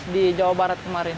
di jawa barat kemarin